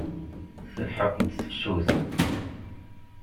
Telḥeq-d tefsut.